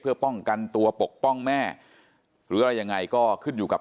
เพื่อป้องกันตัวปกป้องแม่หรืออะไรยังไงก็ขึ้นอยู่กับ